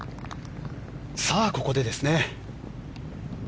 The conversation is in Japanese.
さあ、ここでですね。